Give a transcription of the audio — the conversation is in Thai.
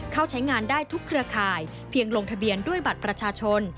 ใช้งานได้ทุกเครือข่ายเพียงลงทะเบียนด้วยบัตรประชาชน